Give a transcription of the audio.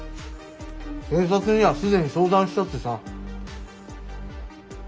警察には既に相談したってさ。